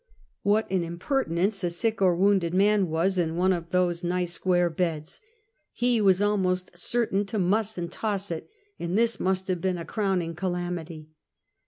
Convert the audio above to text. "What an impertinence a sick or wounded man was, in one of those nice, square beds. He was almost certain to muss and toss it, and this must have been a crowning calamity.